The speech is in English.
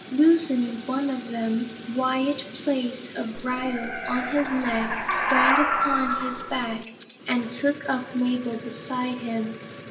Loosening one of them, Wyat placed a bridle on his neck, sprang upon his back, and took up Mabel beside him.